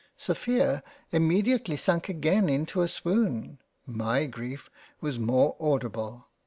Sophia immediately sunk again into a swoon —. My greif was more audible.